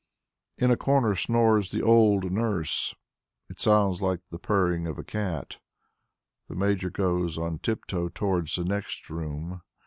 In a corner snores the old nurse; it sounds like the purring of a cat. The Major goes on tip toe towards the next room.